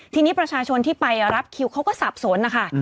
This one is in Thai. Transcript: ทีนี้ประชาชนที่ไปรับคิวเขาก็สับสนนะคะ